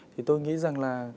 thì tôi nghĩ rằng là